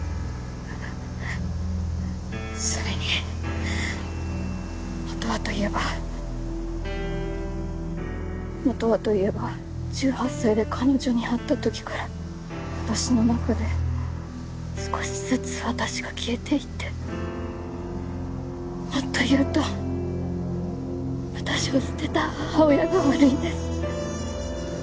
それにもとはと言えばもとはと言えば１８歳で彼女に会った時から私の中で少しずつ私が消えていってもっと言うと私を捨てた母親が悪いんです。